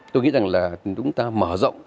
tôi nghĩ rằng là chúng ta mở rộng